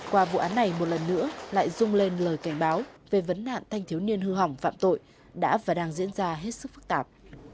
qua vụ án này một lần nữa lại rung lên lời cảnh báo về vấn nạn thanh thiếu niên hư hỏng phạm tội đã và đang diễn ra hết sức phức tạp